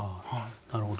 なるほど。